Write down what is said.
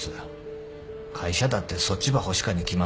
会社だってそっちば欲しかに決まっとる。